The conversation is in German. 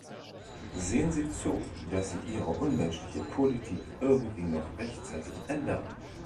Sehen Sie zu, dass Sie Ihre unmenschliche Politik irgendwie noch rechtzeitig ändern!